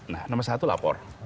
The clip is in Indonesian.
nah nomor satu lapor